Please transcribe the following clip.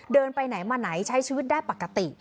เดินไปไหนมาไหนใช้ชีวิตได้ปกติ